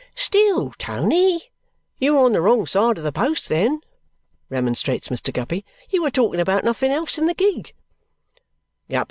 "Still, Tony, you were on the wrong side of the post then," remonstrates Mr. Guppy. "You were talking about nothing else in the gig."